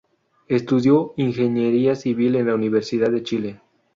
Estudió ingeniería civil en la Universidad de Chile.